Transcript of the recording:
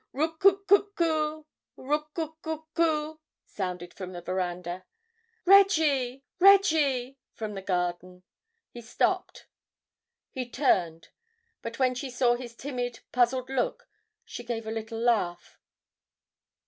"Roo coo coo coo! Roo coo coo coo!" sounded from the veranda. "Reggie, Reggie," from the garden. He stopped, he turned. But when she saw his timid, puzzled look, she gave a little laugh.